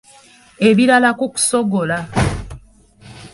Ebirala ku kusogola.